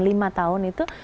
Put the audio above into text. lima tahun itu